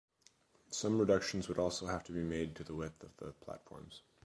Some reductions would also have to be made to the width of the platforms.